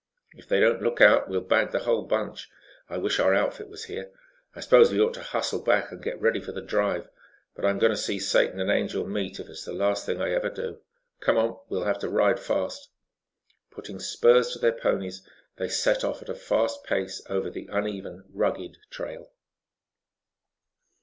If they don't look out we'll bag the whole bunch. I wish our outfit was here. I suppose we ought to hustle back and get ready for the drive, but I'm going to see Satan and the Angel meet, if it's the last thing I ever do. Come on we'll have to ride fast." Putting spurs to their ponies, they set off at a fast pace over the uneven, rugged trail.